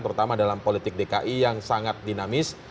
terutama dalam politik dki yang sangat dinamis